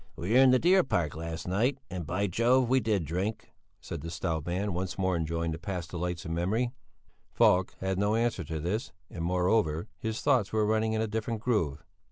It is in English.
"We were in the Deer Park last night and, by Jove! we did drink," said the stout man, once more enjoying the past delights in memory. Falk had no answer to this, and moreover, his thoughts were running in a different groove.